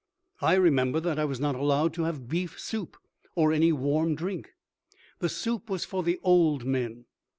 I remember that I was not allowed to have beef soup or any warm drink. The soup was for the old men.